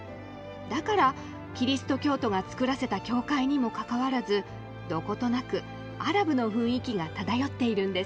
だからキリスト教徒が造らせた教会にもかかわらずどことなくアラブの雰囲気が漂っているんです。